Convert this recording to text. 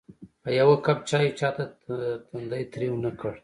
په یوه کپ چایو چاته تندی تریو نه کړ.